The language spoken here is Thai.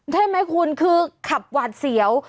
ได้ไหมคุณคือขับหวัดเสีย